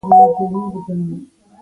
د معلوماتو پروسس په کمپیوټر کې چټک دی.